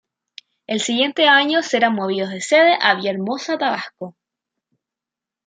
El siguiente año serían movidos de sede a Villahermosa, Tabasco.